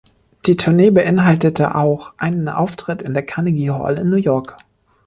Die Tournee beinhaltete auch einen Auftritt in der Carnegie Hall in New York.